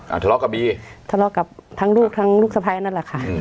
ทะเลาะกับบีทะเลาะกับทั้งลูกทั้งลูกสะพ้ายนั่นแหละค่ะอืม